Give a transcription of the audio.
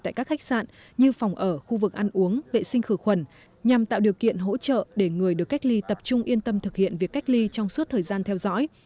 tại các khách sạn như phòng ở khu vực ăn uống vệ sinh khử khuẩn nhằm tạo điều kiện hỗ trợ để người được cách ly tập trung yên tâm thực hiện việc cách ly trong suốt thời gian theo dõi